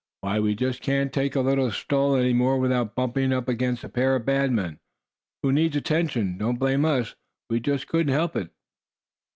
"Why, we just can't take a little stroll any more, without bumping up against a pair of bad men, who need attention. Don't blame us; we just couldn't help it."